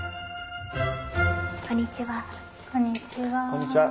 こんにちは。